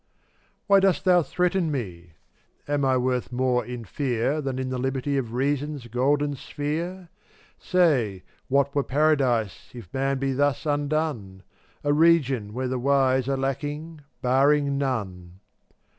458 Why dost Thou threaten me? Am I worth more in fear Than in the liberty Of Reason's golden sphere? Say, what were paradise If man be thus undone? A region where the wise Are lacking, barring none.